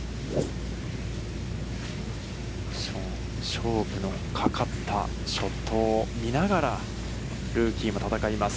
勝負のかかったショットを見ながら、ルーキーも戦います。